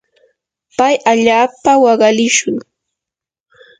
pay allaapa waqalishun.